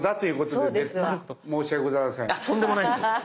とんでもないです。